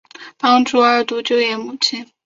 协助二度就业母亲